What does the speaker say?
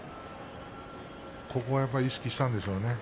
ここは意識したんでしょうね。